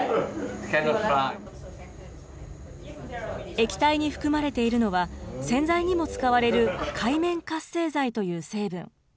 液体に含まれているのは、洗剤にも使われる界面活性剤という成分。